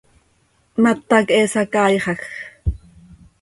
¡Mata quih he sacaaixaj!